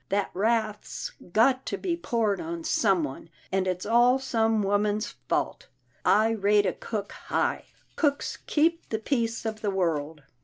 That wrath's got to be poured on someone, and it's all some woman's fault. I rate a cook high. Cooks keep the peace of the world.